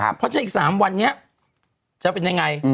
เพราะฉะนั้นอีก๓วันนี้จะเป็นยังไง